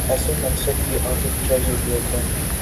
ایسے منصب کی آخر کیا ضرورت ہے؟